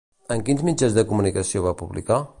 En quins mitjans de comunicació va publicar?